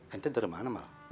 ente dari mana mal